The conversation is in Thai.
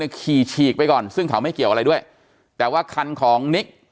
ขี่ฉีกไปก่อนซึ่งเขาไม่เกี่ยวอะไรด้วยแต่ว่าคันของนิก